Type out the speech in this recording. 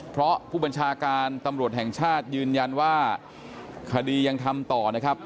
เพราะผู้บัญชาการตำรวจแห่งชาติยืนยันว่าคดียังทำต่อนะครับ